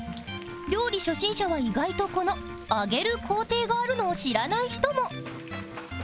料理初心者は意外とこの揚げる工程があるのを知らない人も